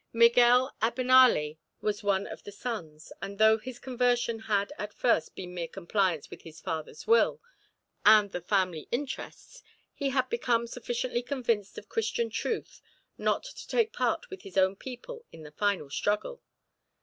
Miguel Abenali was one of the sons, and though his conversion had at first been mere compliance with his father's will and the family interests, he had become sufficiently convinced of Christian truth not to take part with his own people in the final struggle.